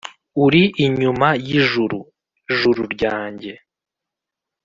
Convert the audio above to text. Uri inyuma yijuru, juru ryanjye,